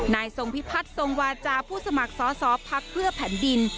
นายทรงพิพัฒน์ทรงวาจาผู้สมัครสอสอพักเพื่อแผ่นดิน